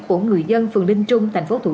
của người dân phường linh trung